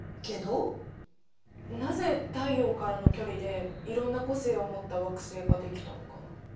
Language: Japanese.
なぜ太陽からの距離でいろんな個性を持った惑星ができたのかな？